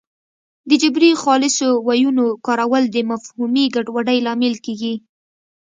د جبري خالصو ویونو کارول د مفهومي ګډوډۍ لامل کېږي